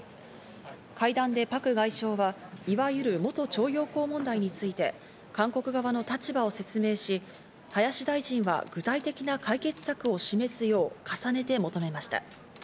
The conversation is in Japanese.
会談でパク外相はいわゆる元徴用工問題について韓国側の立場を説明し、林大臣は具体的な解決策を示すよう重ねて求めました。